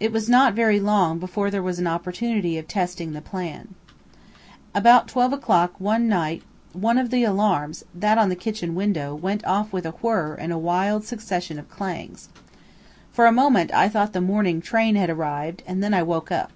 It was not very long before there was an opportunity of testing the plan. About twelve o'clock one night one of the alarms (that on the kitchen window) went off with a whirr and a wild succession of clangs. For a moment I thought the morning train had arrived, and then I woke up.